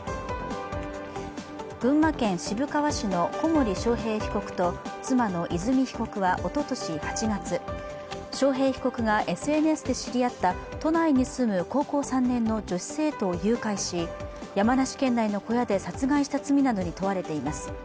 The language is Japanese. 群馬県渋川市の小森章平被告と妻の和美被告は、おととし８月、章平被告がＳＮＳで知り合った都内に住む高校３年の女子生徒を誘拐し山梨県内の小屋で殺害した罪などに問われています。